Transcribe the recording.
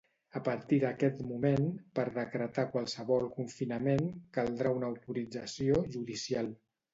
A partir d'aquest moment, per decretar qualsevol confinament caldrà una autorització judicial.